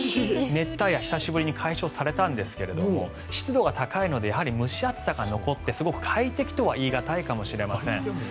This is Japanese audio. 熱帯夜久しぶりに解消されたんですが湿度が高いのでやはり蒸し暑さが残ってすごく快適とは言い難いかもしれません。